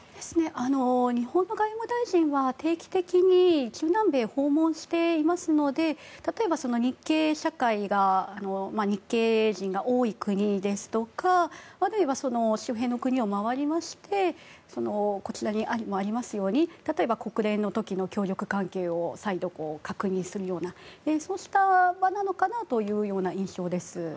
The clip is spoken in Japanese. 日本の外務大臣は定期的に、中南米を訪問していますので例えば、日系人が多い国ですとかあるいはその周辺の国を回りましてこちらにありますように例えば国連の時の協力関係を再度確認するような場なのかなという印象です。